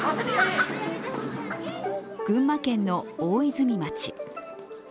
群馬県の大泉町。